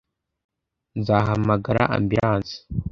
Nzahamagara ambulance